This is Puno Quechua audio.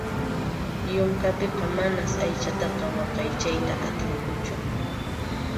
Yunkapiqa manas aychataqa waqaychayta atinkuchu.